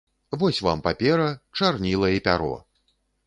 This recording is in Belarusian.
Вось вам папера, чарніла і пяро!